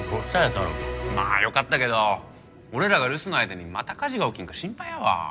太郎くん。まあよかったけど俺らが留守の間にまた火事が起きんか心配やわ。